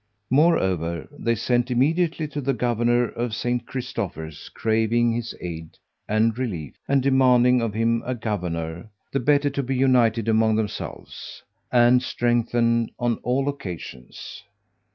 Moreover, they sent immediately to the governor of St. Christopher's, craving his aid and relief, and demanding of him a governor, the better to be united among themselves, and strengthened on all occasions.